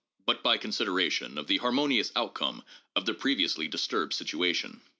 — but by consideration of the harmonious outcome of the previously disturbed situation.